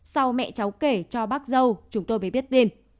sau mẹ cháu kể cho bác dâu chúng tôi mới biết tin